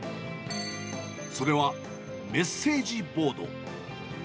それはメッセージボード。